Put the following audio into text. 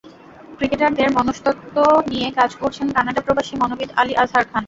ক্রিকেটারদের মনোঃস্তত্ত্ব নিয়ে কাজ করছেন কানাডা প্রবাসী মনোবিদ আলী আজহার খান।